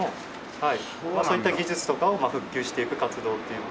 そういった技術とかを普及していく活動という。